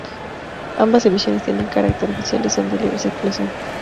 Ambas emisiones tienen carácter oficial y son de libre circulación.